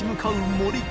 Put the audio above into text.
森川）